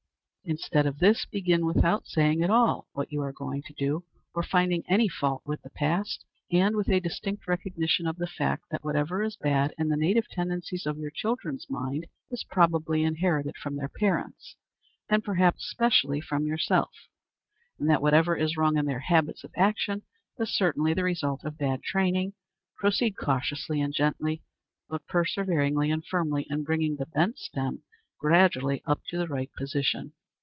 Instead of this, begin without saying at all what you are going to do, or finding any fault with the past, and, with a distinct recognition of the fact that whatever is bad in the native tendencies of your children's minds is probably inherited from their parents, and, perhaps, specially from yourself, and that whatever is wrong in their habits of action is certainly the result of bad training, proceed cautiously and gently, but perseveringly and firmly, in bringing the bent stem gradually up to the right position.